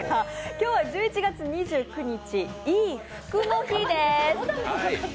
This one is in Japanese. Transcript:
今日は１１月２９日、いいふくの日です。